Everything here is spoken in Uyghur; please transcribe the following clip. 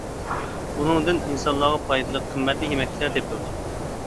ئۇنىڭدىن ئىنسانلارغا پايدىلىق، قىممەتلىك يېمەكلىكلەر تېپىلىدۇ.